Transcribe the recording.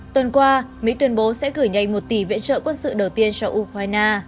tuần qua mỹ tuyên bố sẽ gửi nhanh một tỷ viện trợ quân sự đầu tiên cho ukraine